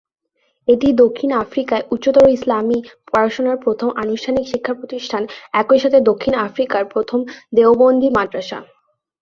এটিই দক্ষিণ আফ্রিকায় উচ্চতর ইসলামি পড়াশোনার প্রথম আনুষ্ঠানিক শিক্ষা প্রতিষ্ঠান, একইসাথে দক্ষিণ আফ্রিকার প্রথম দেওবন্দি মাদ্রাসা।